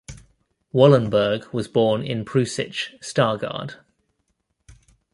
Wallenberg was born in Preussisch Stargard.